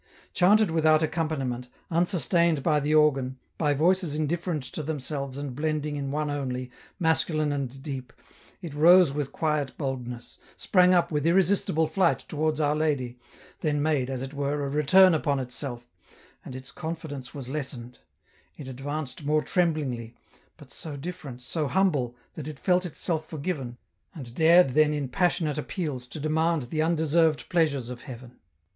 Chanted without accompaniment, unsustained by the organ, by voices indifferent to themselves and blending in one only, masculine and deep, it rose with quiet boldness, sprang up with irresistible flight towards Our Lady, then made, as it were, a return upon itself, and its confidence was lessened ; it advanced more tremblingly, but so different, so humble, that it felt itself forgiven, and dared then in passionate appeals to demand the undeserved pleasures of heaven.